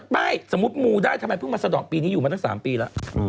ไม่สมมุติมูได้ทำไมเพิ่งมาสะดอกปีนี้อยู่มาตั้ง๓ปีแล้ว